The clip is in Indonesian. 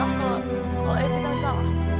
maaf kalau evita salah